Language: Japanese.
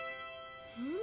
うん？